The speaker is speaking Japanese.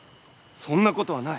そんなことはない！